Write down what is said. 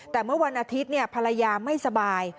แต่เมื่อวันอาทิตย์ภรรยาไม่สบาย